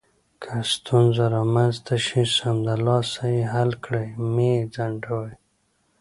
که ستونزه رامنځته شي، سمدلاسه یې حل کړئ، مه یې ځنډوئ.